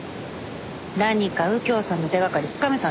何か右京さんの手掛かりつかめたんでしょ？